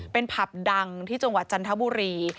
เป็นผับดังที่จังหวัดจันทบุรี